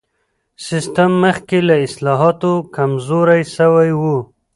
سیستم مخکې له اصلاحاتو کمزوری سوی و.